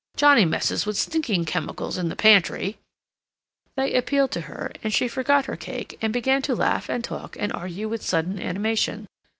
Johnnie messes with stinking chemicals in the pantry—" They appealed to her, and she forgot her cake and began to laugh and talk and argue with sudden animation.